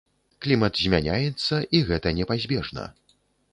Клімат змяняецца і гэта непазбежна.